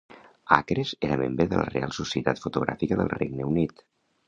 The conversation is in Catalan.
Acres era membre de la Reial Societat Fotogràfica del Regne Unit.